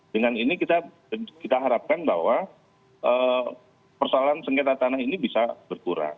dengan ini kita harapkan bahwa persoalan sengketa tanah ini bisa berkurang